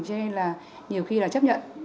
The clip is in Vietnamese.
cho nên là nhiều khi là chấp nhận